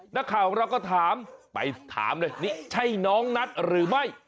นักข่าวของเราก็ถามไปถามเลยนี่ใช่น้องนัทหรือไม่